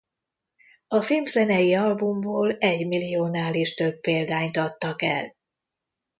A filmzenei albumból egymilliónál is több példányt adtak el.